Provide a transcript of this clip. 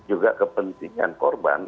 juga kepentingan korban